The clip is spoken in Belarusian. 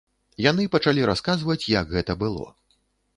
Яны пачалі расказваць, як гэта было.